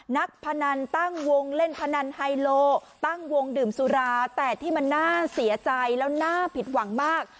พนันตั้งวงเล่นพนันไฮโลตั้งวงดื่มสุราแต่ที่มันน่าเสียใจแล้วน่าผิดหวังมาก